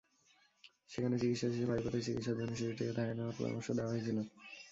সেখানে চিকিৎসা শেষে পায়ুপথের চিকিৎসার জন্য শিশুটিকে ঢাকায় নেওয়ার পরামর্শ দেওয়া হয়েছিল।